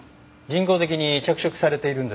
人工的に着色されているんです。